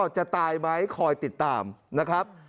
จะตายไหมคอยติดตามนะครับ